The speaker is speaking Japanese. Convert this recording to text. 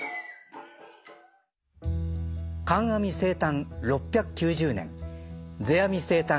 観阿弥生誕６９０年世阿弥生誕